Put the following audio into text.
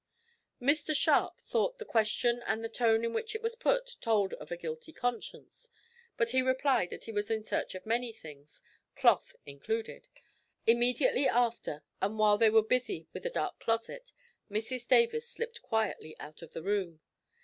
Mr Sharp thought the question and the tone in which it was put told of a guilty conscience, but he replied that he was in search of many things cloth included. Immediately after, and while they were busy with a dark closet, Mrs Davis slipped quietly out of the room.